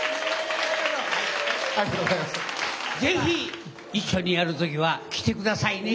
ぜひ一緒にやる時は来て下さいね。